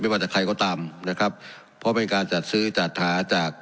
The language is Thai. ว่าจากใครก็ตามนะครับเพราะเป็นการจัดซื้อจัดหาจาก